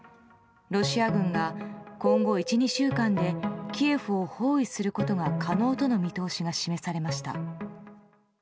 ロシア軍が今後１２週間でキエフを包囲することが可能との見通しが示されました。